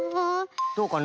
どうかな？